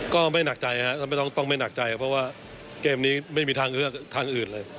ก็ไม่หนักใจต้องไม่หนักใจเพราะว่าเกมนี้ไม่มีทางอื่นเลย